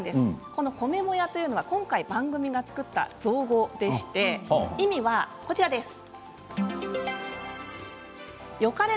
この褒めモヤというのは今回、番組が作った造語でして意味はこちらです。